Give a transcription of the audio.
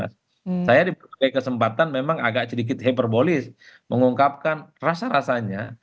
saya dipercaya kesempatan memang agak sedikit hyperbolis mengungkapkan rasa rasanya